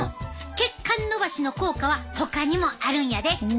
血管のばしの効果はほかにもあるんやで。